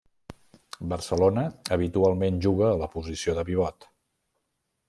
Barcelona, habitualment juga a la posició de pivot.